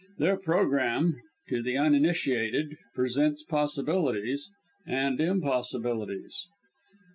Their programme to the uninitiated presents possibilities and impossibilities."